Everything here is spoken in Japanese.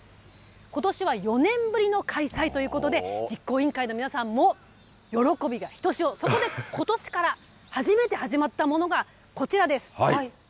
ことしは４年ぶりの開催ということで、実行委員会の皆さんも喜びもひとしお、そこでことしから初めて始まったものがこちらです。